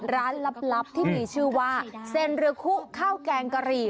ร้านลับที่มีชื่อว่าเซ็นเร็อคูระข้าวแกงกะรีค่ะ